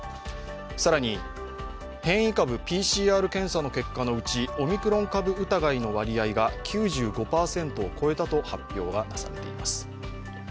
更に変異株ＰＣＲ検査の結果のうちオミクロン株疑いの割合が９５％を超えたと発表がなされています。